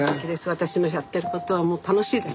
私のやってることはもう楽しいです。